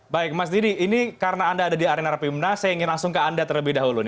baik mas didi ini karena anda ada di arena rapimnas saya ingin langsung ke anda terlebih dahulu